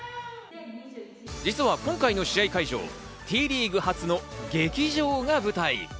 実は今回の試合会場、Ｔリーグ初の劇場が舞台。